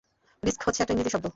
Risk হচ্ছে একটা ইংরেজি শব্দ।